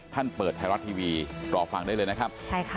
ท่านเปิดไทยรัฐทีวีรอฟังได้เลยนะครับใช่ค่ะ